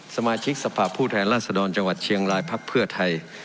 สมาชิกสภาพผู้แทนราชดรจังหวัดเชียงรายพักเพื่อไทย